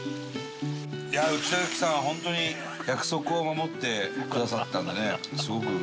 いや内田有紀さんは本当に約束を守ってくださったんでね。